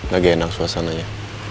lagi enak suasananya